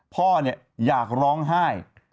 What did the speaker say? พ่ออยากร้องไห้